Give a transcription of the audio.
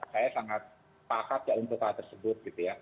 saya sangat pakat untuk hal tersebut